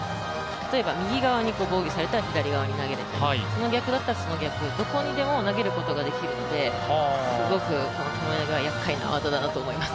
例えば右側に防御されたら左側に投げられたりその逆だったらその逆、どこにでも投げることができるのですごくともえはやっかいな技だなと思います。